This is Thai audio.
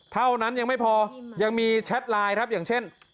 เท่านั้นยังไม่พอยังมีแชทไลน์ครับอย่างเช่น